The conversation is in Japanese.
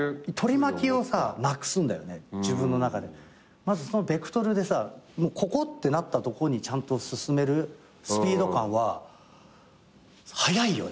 まずベクトルでここってなったとこにちゃんと進めるスピード感ははやいよね。